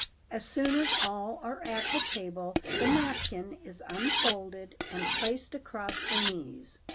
As soon as all are at the table the napkin is unfolded and placed across the knees.